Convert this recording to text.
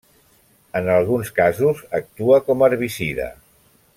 En alguns casos actua com herbicida.